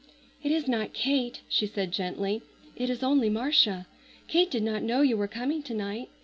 "It is not Kate," she said gently; "it is only Marcia. Kate did not know you were coming to night.